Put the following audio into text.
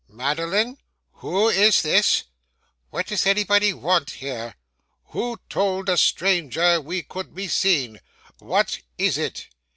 'Madeline, who is this? What does anybody want here? Who told a stranger we could be seen? What is it?